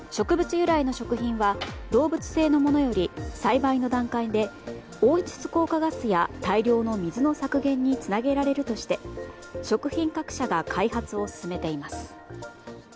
由来の食品は動物性のものより栽培の段階で温室効果ガスや大量の水の削減につなげられるとして食品各社が開発を進めています。